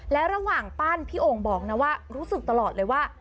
และระหว่างปั้นพี่โอ่งบอกนะว่ารู้สึกตลอดเลยว่า